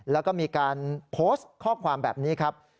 แล้วก็มีการโพสต์ข้อความแบบนี้ครับ